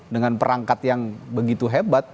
dengan perangkat yang begitu hebat